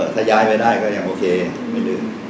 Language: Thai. ถ้าย้ายไปได้ก็ยังโอเคไม่ลืม